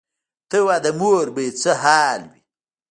ته وا د مور به یې څه حال وي.